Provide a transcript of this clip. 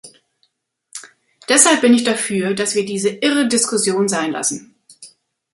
Deshalb bin ich dafür, dass wir diese irre Diskussion sein lassen.